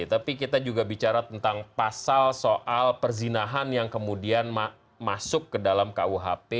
tapi kita juga bicara tentang pasal soal perzinahan yang kemudian masuk ke dalam kuhp